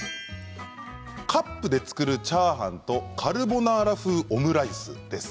カップで作るチャーハンとカルボナーラ風オムライスです。